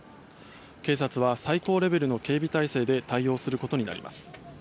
警察は最高レベルの警備態勢で対応することになります。